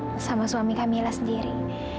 cemburu buta sama suami kamila sendiri